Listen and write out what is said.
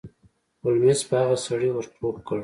هولمز په هغه سړي ور ټوپ کړ.